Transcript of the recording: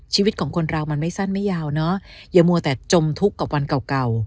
ชีวิตของคนเรามันไม่สั้นไม่ยาวเนอะอย่ามัวแต่จมทุกข์กับวันเก่า